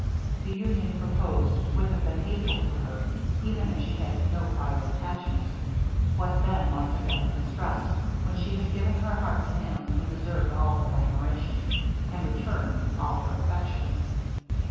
The union proposed would have been hateful to her, even if she had no prior attachment; what then must have been her distress, when she had given her heart to him who deserved all her admiration, and returned all her affection.